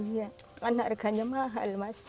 iya kan harganya mahal mas